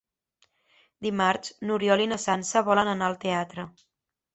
Dimarts n'Oriol i na Sança volen anar al teatre.